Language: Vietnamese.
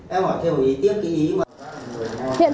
em hỏi theo ý kiến kỹ ý mà các người nói